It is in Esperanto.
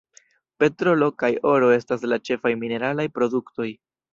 Petrolo kaj oro estas la ĉefaj mineralaj produktoj.